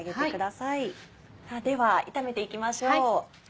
さぁでは炒めていきましょう。